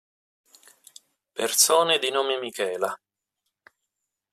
Persone di nome Michela